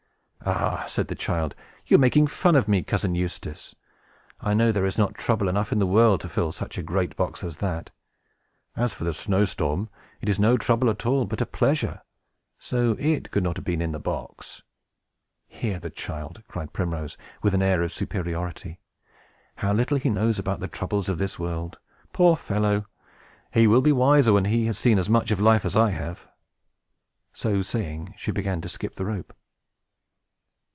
"Ah," said the child, "you are making fun of me, Cousin Eustace! I know there is not trouble enough in the world to fill such a great box as that. As for the snow storm, it is no trouble at all, but a pleasure; so it could not have been in the box." "Hear the child!" cried Primrose, with an air of superiority. "How little he knows about the troubles of this world! Poor fellow! He will be wiser when he has seen as much of life as I have." So saying, she began to skip the rope.